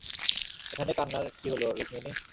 এখানে কান্নার কী হলো রুকমিনি।